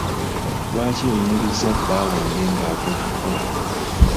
Lwaki oyimiriza bba wange nga ava okukola?